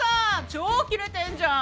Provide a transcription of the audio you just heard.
超キレてんじゃん！